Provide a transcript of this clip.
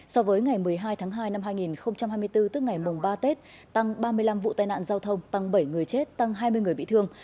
so với ngày một mươi hai tháng hai năm hai nghìn hai mươi bốn tức ngày mùng ba tết tăng ba mươi năm vụ tai nạn giao thông tăng bảy người chết tăng hai mươi người bị thương